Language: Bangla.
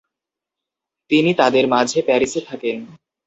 তিনি তাদের মাঝে প্যারিসে থাকেন।